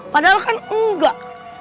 padahal kan enggak